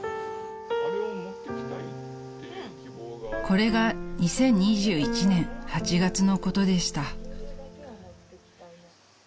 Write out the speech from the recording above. ［これが２０２１年８月のことでした］